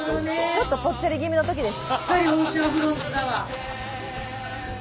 ちょっとぽっちゃり気味のときです。